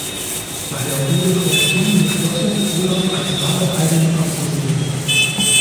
Daher wurde vom Thing beschlossen, Olav als wahren Heiligen anzusehen.